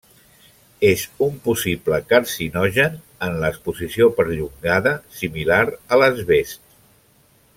És un possible carcinogen en l'exposició perllongada similar a l'asbest.